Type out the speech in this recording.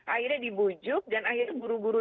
akhirnya dibujuk dan akhirnya guru guru